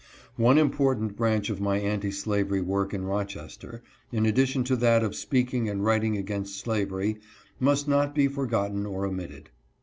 /One important branch of my anti slavery work in Rochester, in addition to that of speaking and writing against slavery, must not be forgotten or omitted.